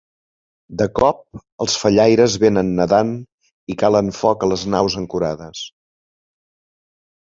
De cop, els fallaires venen nedant i calen foc a les naus ancorades.